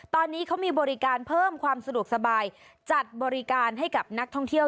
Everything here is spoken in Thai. ตอนนี้เขามีบริการเพิ่มความสะดวกสบายจัดบริการให้กับนักท่องเที่ยว